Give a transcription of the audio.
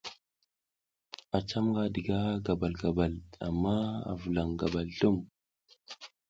A cam nga diga gabal gabal amma a vulaƞ gabal zlum.